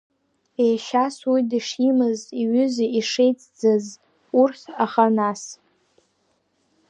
Еишьас уи дышимаз иҩыза, ишеицӡаз урҭ, аха нас…